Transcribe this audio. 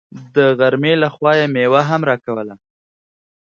د غرمې له خوا يې مېوه هم راکوله.